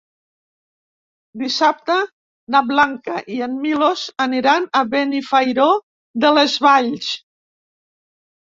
Dissabte na Blanca i en Milos aniran a Benifairó de les Valls.